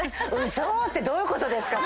「嘘⁉」ってどういうことですか？